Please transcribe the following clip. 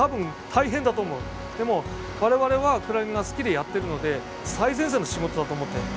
でも我々はクラゲが好きでやってるので最前線の仕事だと思ってる。